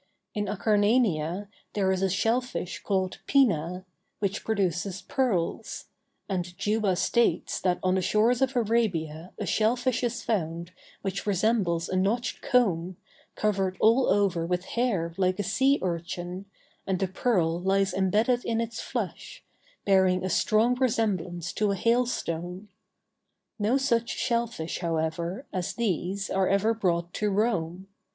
In Acarnania there is a shell fish called "pina," which produces pearls; and Juba states that on the shores of Arabia a shell fish is found which resembles a notched comb, covered all over with hair like a sea urchin, and the pearl lies imbedded in its flesh, bearing a strong resemblance to a hailstone. No such shell fish, however, as these are ever brought to Rome.